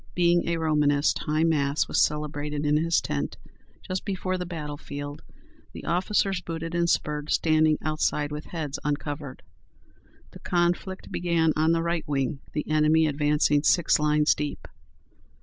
Being a Romanist, high mass was celebrated in his tent just before the battle, the officers, booted and spurred, standing outside with heads uncovered. The conflict began on the right wing, the enemy advancing six lines deep.